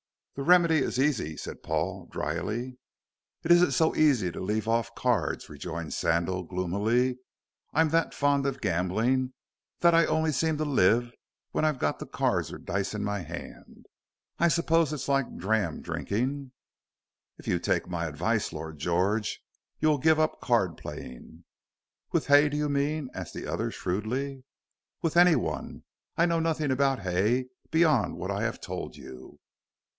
The remedy is easy," said Paul, dryly. "It isn't so easy to leave off cards," rejoined Sandal, gloomily. "I'm that fond of gambling that I only seem to live when I've got the cards or dice in my hand. I suppose it's like dram drinking." "If you take my advice, Lord George, you'll give up card playing." "With Hay, do you mean?" asked the other, shrewdly. "With anyone. I know nothing about Hay beyond what I have told you."